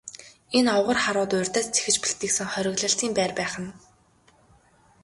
Энэ овгор харууд урьдаас зэхэж бэлтгэсэн хориглолтын байр байх нь.